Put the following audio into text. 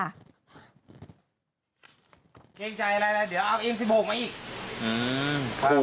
แค่เกรงตางอย่างไหนแล้วโดยอัพเอ็มสิยบอร์กมาอีก